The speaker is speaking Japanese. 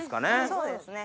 そうですね。